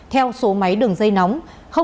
theo số máy đường dây nóng